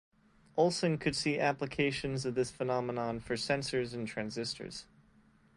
Olsson could see applications of this phenomenon for sensors and transistors.